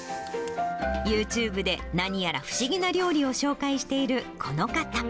ユーチューブで何やら不思議な料理を紹介しているこの方。